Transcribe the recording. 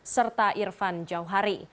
serta irvan jauhari